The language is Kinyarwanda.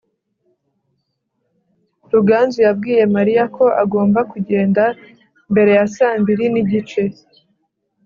ruganzu yabwiye mariya ko agomba kugenda mbere ya saa mbiri n'igice